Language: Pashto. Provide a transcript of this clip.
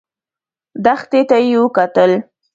دښتې ته يې وکتل.